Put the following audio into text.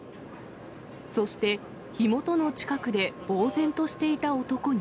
そして火元の近くでぼう然としていた男に。